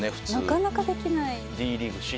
なかなかできない。